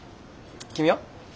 君は？